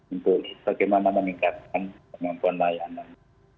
untuk bagaimana meningkatkan kemampuan layanan